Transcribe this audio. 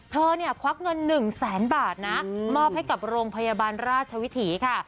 เธอเนี่ยควักเงิน๑แสนบาทนะมอบให้กับโรงพยาบาลราชวิถีค่ะ